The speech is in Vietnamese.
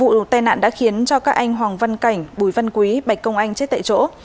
vụ đột tai nạn đã khiến cho các anh hoàng văn cảnh bùi văn quý bạch công anh chết tại chỗ